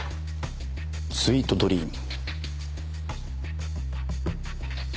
スイートドリーム。